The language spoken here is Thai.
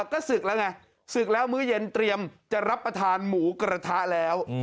ก็ศึกแล้วไงศึกแล้วมื้อเย็นเตรียมจะรับประทานหมูกระทะแล้ว